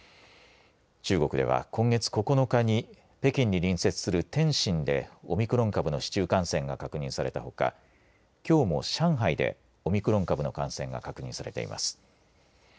中国では今月９日に北京に隣接する天津でオミクロン株の市中感染が確認されたほかきょうも上海でオミクロン株の感染が確認されています。